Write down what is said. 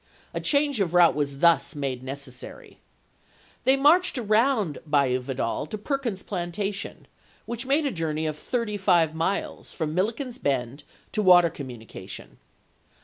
A change of route was thus made necessary. They marched round Bayou Vidal to Perkins's Planta tion, which made a journey of thirty five miles from Milliken's Bend to water communication.